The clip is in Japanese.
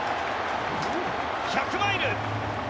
１００マイル。